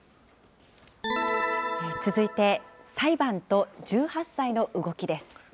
続いて、裁判と１８歳の動きです。